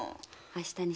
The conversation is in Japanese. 明日に。